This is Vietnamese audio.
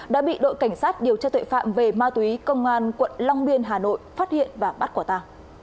đã bị đội cảnh sát điều tra tuệ phạm về ma túy công an quận long biên hà nội phát hiện và bắt quả tàng